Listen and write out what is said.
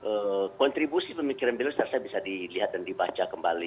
dan kontribusi pemikiran beliau saya rasa bisa dilihat dan dibaca kembali